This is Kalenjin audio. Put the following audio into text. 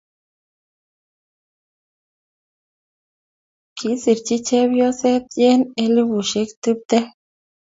Kisirchi chepyoset yen elubushek tuptem